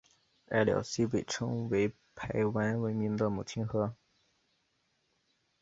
隘寮溪被称为排湾文明的母亲河。